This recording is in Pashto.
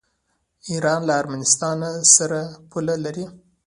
ایران له ارمنستان سره پوله لري.